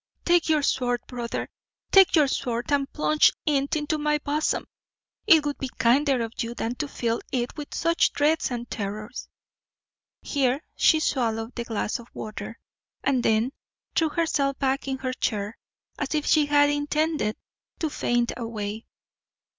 take your sword, brother, take your sword, and plunge it into my bosom; it would be kinder of you than to fill it with such dreads and terrors." Here she swallowed the glass of water, and then threw herself back in her chair, as if she had intended to faint away.